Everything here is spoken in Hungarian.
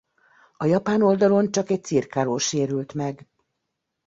A japán oldalon csak egy cirkáló sérült meg.